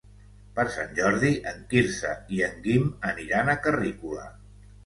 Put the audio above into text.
Per Sant Jordi en Quirze i en Guim aniran a Carrícola.